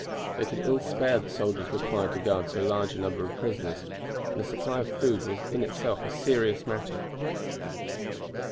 They could ill spare the soldiers required to guard so large a number of prisoners, and a supply of food was in itself a serious matter.